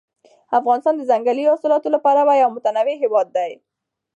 افغانستان د ځنګلي حاصلاتو له پلوه یو متنوع هېواد دی.